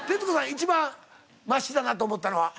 一番マシだなと思ったのは？